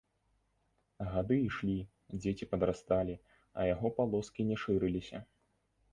Гады ішлі, дзеці падрасталі, а яго палоскі не шырыліся.